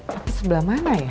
tapi sebelah mana ya